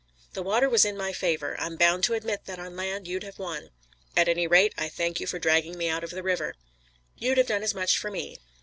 "The water was in my favor. I'm bound to admit that on land you'd have won." "At any rate I thank you for dragging me out of the river." "You'd have done as much for me."